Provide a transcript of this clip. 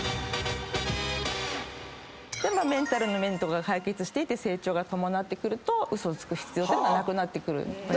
メンタルの面とかが解決していって成長が伴ってくるとウソをつく必要がなくなってくる。